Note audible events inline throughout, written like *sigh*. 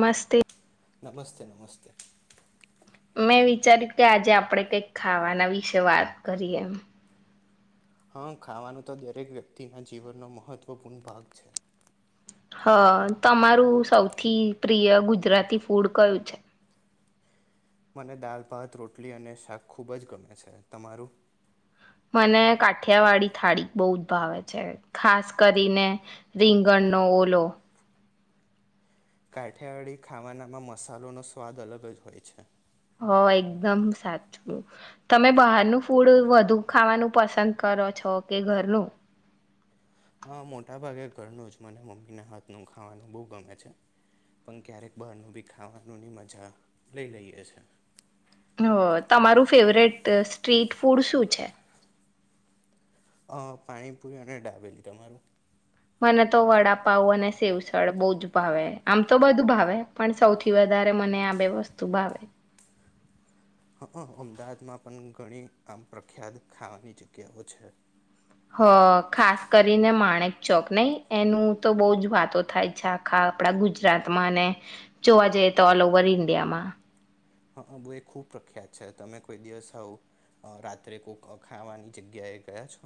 મસ્તે. નમસ્તે નમસ્તે. મેં વિચાર્યું કે આજે આપણે કંઈક ખાવાના વિશે વાત કરીએ એમ. હા ખાવાનું તો દરેક વ્યક્તિના જીવનનો મહત્વપૂર્ણ ભાગ છે. હ તમારું સૌથી પ્રિય ગુજરાતી ફૂડ કયું છે? મને દાલ, ભાત, રોટલી અને શાક ખૂબ જ ગમે છે. તમારું મને કાઠિયાવાડીી થાળી બહુ જ ભાવે છે ખાસ કરીને રીંગણનોો ઓલો કાઠિયાિયાડીી ખાવાનામાં મસાલોનોો સ્વાદ અલગ જ હોય છે હ એકદમ સાચવું તમે બહારનું ફૂડ વધુ ખાવાનું પસંદ કરો છો કે ઘરનું હા મોટાભાગે ઘરનું જ મને મમ્મીના હાથનું ખાવાનું બહુ ગમે છે પણ ક્યારેક બહારનું બી ખાવાનુંની મજા લઈ લઈએ છે હ તમારું ફેવરેટ સ્ટ્રીટ ફૂડ શું છે અ પાણીપુરી અને દાબેલી તમારું મને તો વડા પાઉ અને સેવસડ બહુ જ ભાવે આમ તો બધું ભાવે પણ સૌથી વધારે મને આ બે વસ્તુ ભાવે હા અમદાવાદમાં પણ ઘણી આમ પ્રખ્યાત ખાવાની જગ્યાઓ છે હ ખાસ કરીને માણેક ચોક નહી એનું તો બહ જ વાતો થાય છે આખા આપડા ગુજરાતમાં અને જોવા જઈએ તો ઓલ ઓવર ઇન્ડિયામાં હા બ એ ખૂબ પ્રખ્યાત છે તમે કોઈ દિવસ આવું રાત્રે કોક ખાવાની જગ્યાએ ગયા છો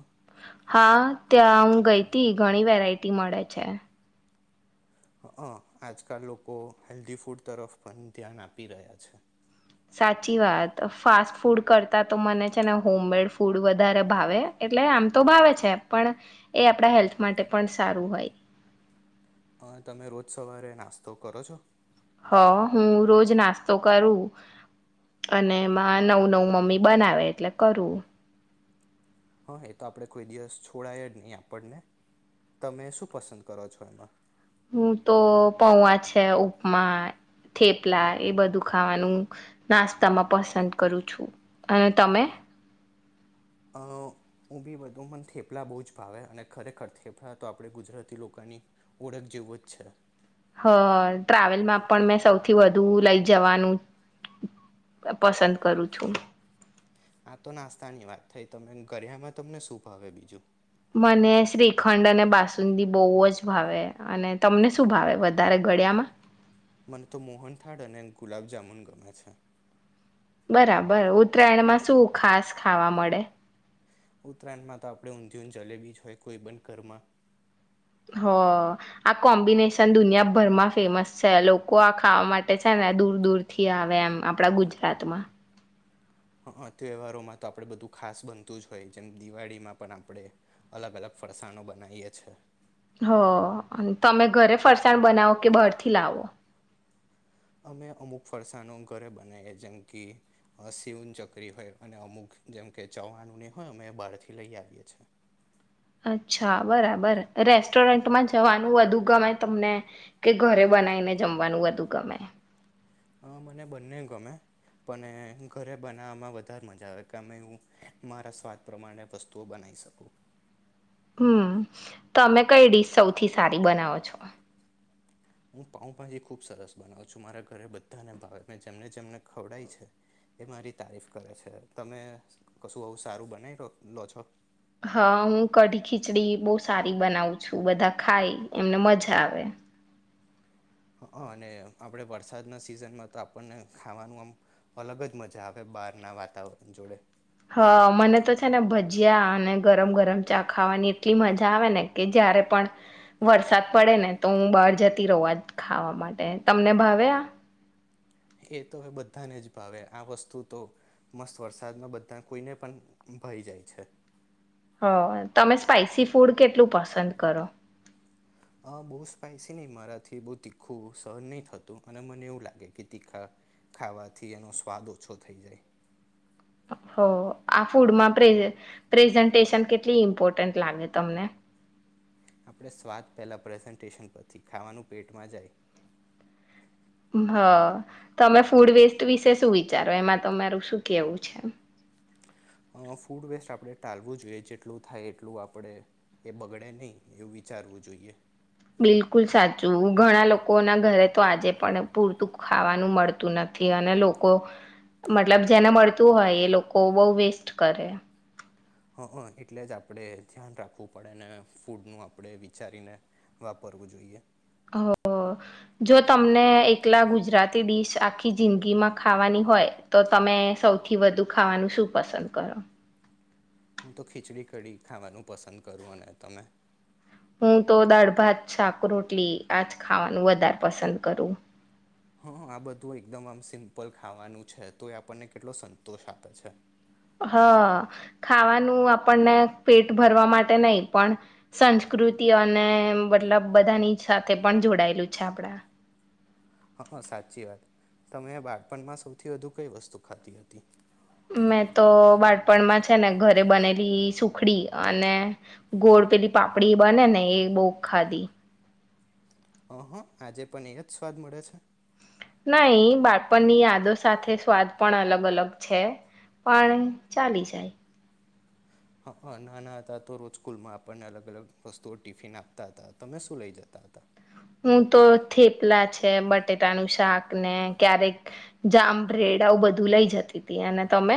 હા ત્યાં હું ગઈ હતી ઘણી વેરાયટી મળે છે આજકાલ લોકો હેલ્ધી ફૂડ તરફ પણ ધ્યાન આપી રહ્યા છે સાચી વાત ફાસ્ટ ફૂડ કરતાં તો મને છે ને હોમ મેડ ફૂડ વધારે ભાવે એટલે આમ તો ભાવે છે પણ એ આપણા હેલ્થ માટે પણ સારું હોય અ તમે રોજ સવારે નાસ્તો કરો છો હ હું રોજ નાસ્તો કરું અને એમાં નવું નવું મમ્મી બનાવે એટલે કરું હા એ તો આપણેે કોઈ દિવસ છોડાય જ નહી આપણને તમે શું પસંદ કરો છો એમાં હું તો પૌવા છે ઉપમા થેપલા એ બધું ખાવાનું નાસ્તામાં પસંદ કરું છું અને તમે અ ઊભી વધુ મને થેપલા બહુ જ ભાવે અને ખરેખર થેપલા તો આપણે ગુજરાતી લોકોની ઓળખ જેવું જ છે હ ટ્રાવેલમાં પણ મેં સૌથી વધુ લઇ જવાનું પસંદ કરું છું આ તો નાસ્તા ની વાત થઈ તમે ગરિયામાં તમને શું ભાવે બીજું મને શ્રીખંડ અને બાસુંદીી બહુ જ ભાવે અને તમને શું ભાવે વધારે ગળિયામાં મને તો મોહનથાળ અને ગુલાબજામુન ગમે છે બરાબર ઉત્તરાયણમાં શું ખાસ ખાવા મળે ઉત્તરાયણમાં તો આપણે ઊંધય જલેબી જ હોય કોઈ પણ ઘરમાં હ આ કોમ્બિનેશન દુનિયાભરમાં ફેમસ છે લોકો આ ખાવા માટે છે ને દૂર દૂર થી આવે એમ આપડા ગુજરાતમાં હ તહેવારોમાં તો આપણે બધું ખાસ બનતું જ હોય જેમ દિવાળીમાં પણ આપણે અલગ અલગ ફરસાણો બનાવીએ છે હ તમે ઘરે ફરસાણ બનાવો કે બરથી લાવો અમે અમુક ફરસાણ ઘરે બનાવીએ જેમ કે સીઉન ચકરી હોય અને અમુક જેમકે ચવાનુંની હોય અમે બહારથી લઈ આવીએ છ છેએ અચ્છા બરાબર રેસ્ટોરન્ટમાં જવાનું વધુ ગમે તમને કે ઘરે બનાવીને જમવાનું વધુ ગમે હ મને બંને ગમે પણ ઘરે બનાવવામાં વધારે મજા આવે કે હું મારા સ્વાદ પ્રમાણે વસ્તુઓ બનાવી શકું હમ તમે કઈ ડીશ સૌથી સારી બનાવો છો હું પાઉભાજી ખુબ સરસ બનાવું છું મારા ઘરે બધાને ભાવે મે જેમને જેમને ખવડાય છે એ મારી તારીફ કરે છે તમે કશું આવું સારું બનાવી લો છો હા હું કઢી ખીચડી બહુ સારી બનાવું છું બધા ખાય એમને મજા આવે અને આપણે વરસાદના સિઝનમાં તો આપણને ખાવાનું આમ અલગ જ મજા આવે બહારના વાતાવરણ જોડે હા મને તો છે ને ભજીયા અને ગરમ ગરમ ચા ખાવાની એટલી મજા આવે ને કે જારે પણ વરસાદ પડે ને તો હું બહાર જતી રવા જ ખાવા માટે તમને ભાવે આ એ તો હવે બધાને જ ભાવે આ વસ્તુ તો મસ્ત વરસાદમાં બધા કોઈને પણ ભાઈ જાય છે હ તમે સ્પાઈસી ફૂડ કેટલું પસંદ કરો અ બહુ સ્પાઈસી નહ મારાથી બહ તીખું સહન નહી થતું અને મને એવું લાગે કે તીખા ખાવાથી એનો સ્વાદ ઓછો થઈ જાય હ આ ફૂડમાં પ્ર પ્રેઝન્ટેશન કેટલી ઇમ્પોર્ટન્ટ લાગે તમને આપણે સ્વાદ પહેલા પ્રેઝન્ટેશન પછથી ખાવાનું પેટમાં જાય હ તમે ફૂડ વેસ્ટ વિશે શું વિચારો એમાં તમારું શું કેવું છે ફૂડ વેસ્ટ આપણે ટાલવું જોઈએ જેટલું થાય એટલું આપણે એ બગડે નહી એવું વિચારવું જોઈએ બિલકુલ સાચું ઘણા લોકોના ઘરે તો આજે પણ પૂરતું ખાવાનું મળતું નથી અને લોકો મતલબ જેને મળતું હોય એ લોકો બહ વેસ્ટ કરે હ હ એટલે જ આપણે ધ્યાન રાખવું પડે ને ફૂડનું આપણે વિચારીને વાપરવું જોઈએ ઓ જો તમને એકલા ગુજરાતી ડીશ આખી જિંદગીમાં ખાવાની હોય તો તમે સૌથી વધુ ખાવાનું શું પસંદ કરો હું તો ખીચડી કડીી ખાવાનું પસંદ કરું અને તમે હું તો દાળ ભાત શાક રોટલી આજ ખાવાનું વધારે પસંદ કરું હા આ બધું એકદમ આમ સિમ્પલ ખાવાનું છે તો એ આપણને કેટલો સંતોષ આપે છે હા ખાવાનું આપણને પેટ ભરવા માટે નહી પણ સંસ્કૃતિ અને મતલબ બધાની સાથે પણ જોડાયેલું છે આપડા હા સાચી વાત તમે બાળપણમાં સૌથી વધુ કઈ વસ્તુ ખાતી હતી મેં તો બાટપણમાં છે ને ઘરે બનેલી સુખડી અને ગોળ પેલી પાપડી બને ને એ બહુ ખાધી હ હ આજે પણ એ જ સ્વાદ મળે છે નઈ બાળપણની યાદો સાથે સ્વાદ પણ અલગ અલગ છે પણ ચાલી જાય હા હ નાના હતા તો રોજ સ્કૂલમાં આપણને અલગ અલગ વસ્તુઓ ટિફિન આપતા હતા તમે શું લઇ જતા હતા હું તો થેપલા છે બટેટાનું શાક ને ક્યારેક જામ બ્રેડ આવું બધું લઇ જતી હતી અને તમે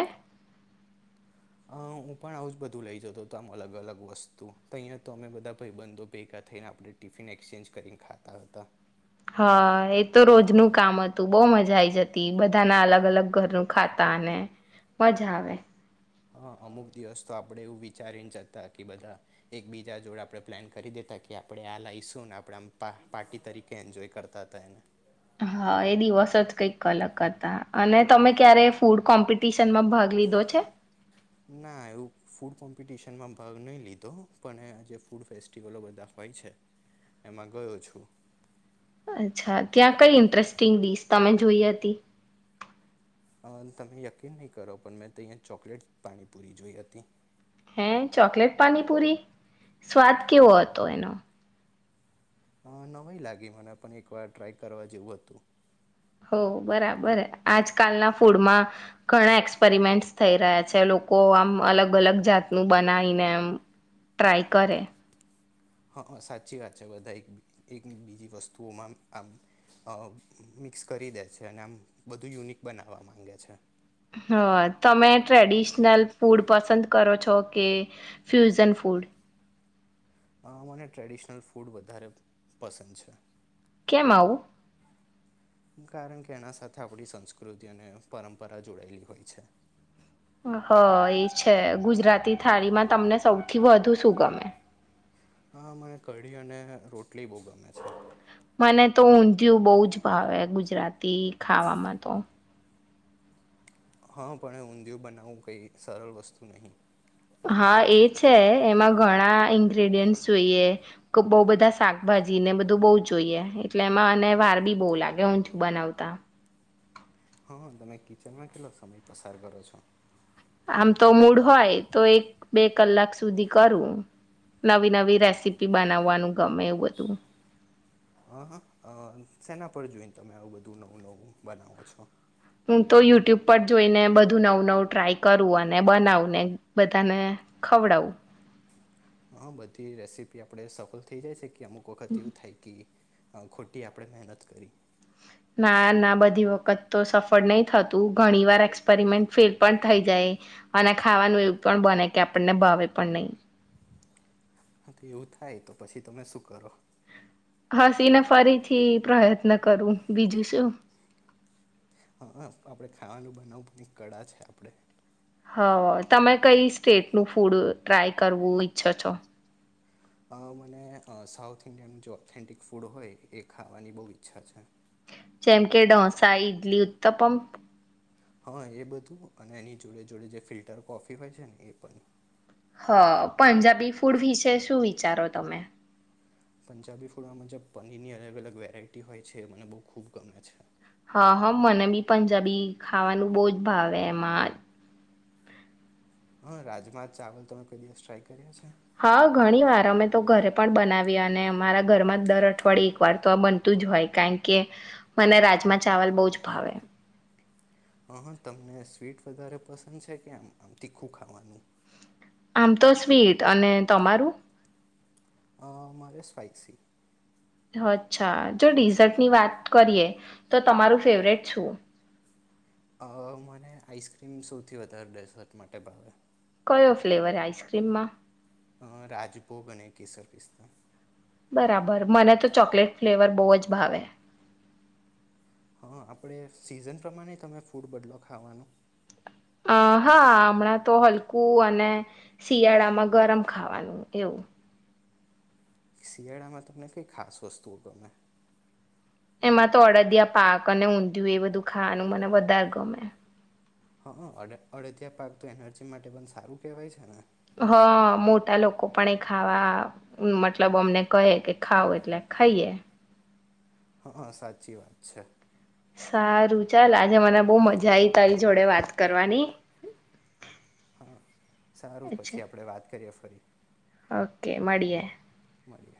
અ હું પણ આવું જ બધું લઇ જતો હતો આમ અલગ અલગ વસ્તુ તો અહીંયા તો અમે બધા ભાઈબંધો ભેગા થઈને આપણે ટીફિન એક્સચેન્જ કરીને ખાતા હતા હા એ તો રોજનું કામ હતું બહુ મજા આઈ જતી બધાના અલગ અલગ ઘરનું ખાતા અને મજા આવે હા અમુક દિવસ તો આપણે એવું વિચારીને જતા કે બધા એક બીજા જોડે આપણે પ્લાન કરી દેતા કે આપણે આ લઈશું ને આપણે પાર્ટી તરીકે એન્જોય કરતા હતા એને હા એ દિવસ જ કઈક અલગ હતા અને તમે ક્યારે ફૂડ કોમ્પિટશ માં ભાગ લીધો છે કોમ્પિટશનમાં ભાગ નહી લીધો પણજ ફૂડ ફેસ્ટિવલો બધા હોય છે એમાં ગયો છું અચ્છા ત્યાં કઈ ઇન્ટરેસ્ટિંગ ડીચ તમે જોઈ હતી તમે યકીન નહી કરો પણ મેં ત અહીંયા ચોકલેટ પાણીપુરી જોઈ હતી હે ચોકલેટ પાણીપુરી સ્વાદ કેવો હતો એનો હ નવીઈ લાગી મને પણ એક વાર ટ્રાય કરવા જેવું હતું હો બરાબર આજકાલના ફૂડમાં ઘણા એક્સપેરિમેન્ટસ થઈ રહ્યા છે લોકો આમ અલગ અલગ જાતનું બનાવીને આમ ટ્રાય કરે હા સાચી વાત છે બધા એક એક બીજી વસ્તુઓમાં આમ મિક્સ કરી દે છે અને આમ બધું યુનિક બનાવવા માંગે છે હ તમે ટ્રેડિશનલ ફૂડ પસંદ કરો છો કે ફ્યુઝન ફૂડ. હ મને ટ્રેડિશનલ ફૂડ વધારે પસંદ છે. કેમ આવું. કારણ કે એના સાથે આપણી સંસ્કૃતિ અને પરંપરા જોડાયેલી હોય છે. હ એ છે ગુજરાતી થાળીમાં તમને સૌથી વધુ શું ગમે? હા મને કઢી અને રોટલી બહુ ગમે છે. મને તો ઊંધિયું બહુ જ ભાવે ગુજરાતી ખાવામાં તો હા પણ ઊંધિયું બનાવવું કંઈ સરળ વસ્તુ નહીં હા એ છે એમાં ઘણા ઇન્ગ્રેડિયન્ટ જોઈએ બહુ બધા શાકભાજી ને બધું બહુ જોઈએ એટલે એમાં અને વાર બી બહુ લાગે ઊંધિયું બનાવતા. હા તમે કિચનમાં કેટલોક સમય પસાર કરો છો. આમ તો મૂડ હોય તો એક બે કલાક સુધી કરું નવી નવી રેસીપી બનાવવાનું. ગમે એવું બધું હ હ શેન ર જોઈને તમે આવું બધું નવું નવું બનાવો છો. હું તો યુટ્યુબ પર જોઈને બધું નવું નવું ટ્રાય કરું અને બનાવું ને બધાને ખવડાવું. હા બધી રેસીપી આપડે સફલ થઇ જાય છે. કે અમુક વખત એવું થાય કે. ખોટી આપણે મહેનત કરી. ના ના બધી વખત તો સફળ નહી થતું ઘણી વાર એક્સપેરિમેન્ટ ફેલ પણ થઈ જાય અને ખાવાનું એવું પણ બને કે આપણને ભાવે પણ નહી. હા તો એવું થાય તો પછી તમે શું કરો. હસી ને ફરીથી પ્રયત્ન કરું બીજું શું. હા આપડે ખાવાનું બનાવું પણ એક કળા છે આપડે હ તમે કઈ સ્ટેટનું ફૂડ ટ્રાય કરવું ઈચ્છો છો. મને સાઉથ ઇન્ડિયન જે ઓથેન્ટિક ફૂડ હોય એ ખાવાની બહુ ઈચ્છા છે. જેમ કે ડોસા ઇડલી ઉત્તપમ. હા એ બધું અને એની જોડે જોડે જે ફિલ્ટર કોફી હોય છે ને એ પણ. હ પંજાબી ફૂડ વિશે શું વિચારો તમે. પંજાબી ફૂડમાં મન જે પનીર ની અલગ અલગ વેરાયટી હોય છે મને બહુ ખૂબ ગમે છે. હા હા મને બી પંજાબી ખાવાનું બહુ જ ભાવે એમાં હ રાજમા ચાવલ તમે કોઈ દિવસ ટ્રાય કર્યો છે? હા ઘણી વાર અમે તો ઘરે પણ બનાવિય. અને અમારા ઘરમાં દર અઠવાડિય એક વાર તો આ બનતું જ હોય. કારણ કે મને રાજમા ચાવલ બહુ જ ભાવે. અહ તમને સ્વીટ વધારે પસંદ છે કે, આમ આમ તીખું ખાવાનું? આમ તો સ્વીટ. અને તમારું? અ મારે સ્પાઈસી. અચ્છા જો ડિઝર્ટની વાત કરીએ તો તમારું ફેવરેટ શું? અ મને આઈસ્ક્રીમ સૌથી વધારે ડેઝર્ટ માટે ભાવે. કયો ફ્લેવર આઈસ્ક્રીમમાં? હ રાજજભોગ અને કેસર પીસ્તા બરાબર મને તો ચોકલેટ ફ્લેવર બહુ જ ભાવે. હા આપણે સિઝન પ્રમાણે તમે ફૂડ બદલો ખાવાનું? આ હા હમણાં તો હલકું અને શિયાળામાં ગરમ ખાવાનું એવું. શિયાળામાં તમને કંઈ ખાસ વસ્તુઓ ગમે? એમાં તો અડદિયા પાક અને ઊંધિયું એ બધું ખાવાનું મને વધારે ગમે. અ હા અડદિયા પાક તો એનર્જી માટે પણ સારું કેહેવાય છે ને? હા મોટા લોકો પણ એ ખાવા મતલબ અમને કહે કે ખાવ, એટલે ખાઈએ. હા હ સાચી વાત છે. સારું ચાલ. આજે મને બહુ મજા આઈ તારી જોડે વાત કરવાની. હા સારું અચ્છા પછી આપડે વાત કરીએ. કરે ઓકે મળીએ. *inaudible* મળીએ